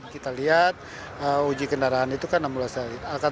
kita lihat uji kendaraan itu kan mulai selesai